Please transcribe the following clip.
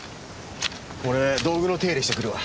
俺道具の手入れしてくるわ。